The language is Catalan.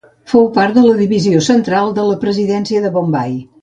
Fou part de la Divisió Central de la presidència de Bombai.